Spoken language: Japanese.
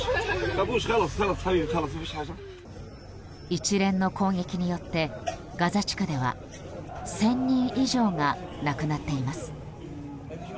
一連の攻撃によってガザ地区では１０００人以上が亡くなっています。